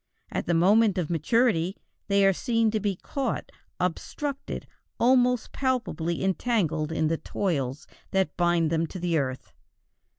At the moment of maturity they are seen to be caught, obstructed, almost palpably entangled in the toils that bind them to earth.